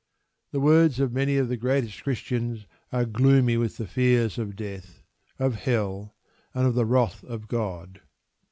The words of many of the greatest Christians are gloomy with the fears of death, of Hell, and of the wrath of God.